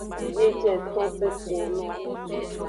Biejenton ku kpono.